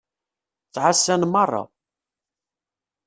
Ttɛasan meṛṛa.